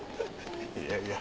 いやいや。